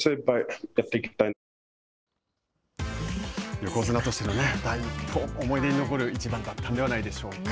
横綱としての思い出に残る一番だったんではないでしょうか。